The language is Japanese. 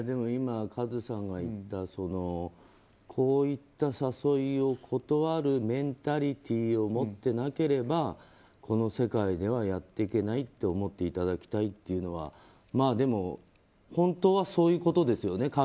今、和津さんが言ったこういった誘いを断るメンタリティーを持ってなければこの世界ではやっていけないって思っていただきたいというのはでも本当はそういうことですよね。